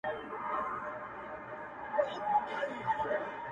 خو څه نه سي ويلای تل,